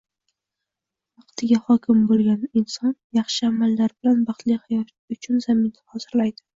Vaqtiga hokim bo‘la olgan inson yaxshi amallar bilan baxtli hayot uchun zamin hozirlaydi.